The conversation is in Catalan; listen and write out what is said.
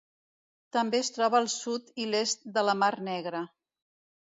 També es troba al sud i l'est de la Mar Negra.